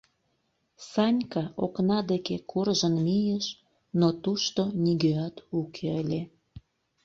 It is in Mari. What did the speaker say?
— Санька окна деке куржын мийыш, но тушто нигӧат уке ыле.